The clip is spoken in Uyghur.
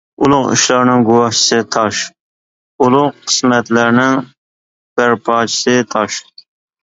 ئۇلۇغ ئىشلارنىڭ گۇۋاھچىسى تاش، ئۇلۇغ قىسمەتلەرنىڭ بەرپاچىسى تاش.